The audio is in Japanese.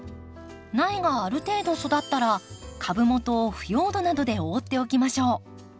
苗がある程度育ったら株元を腐葉土などで覆っておきましょう。